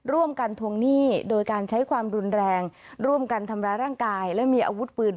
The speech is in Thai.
ทวงหนี้โดยการใช้ความรุนแรงร่วมกันทำร้ายร่างกายและมีอาวุธปืน